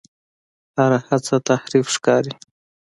هر هڅه تحریف ښکاري.